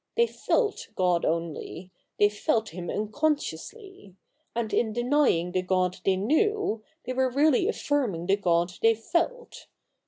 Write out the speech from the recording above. They felt God only ; they felt Him unconsciously ; and in denying the God they knew, they were really affirming the God they felt.